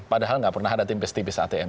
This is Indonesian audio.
padahal nggak pernah ada tempe setipis atm